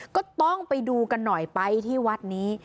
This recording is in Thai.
ก็ต้องไปดูกันหน่อยไปที่วัดนี้